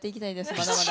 まだまだ。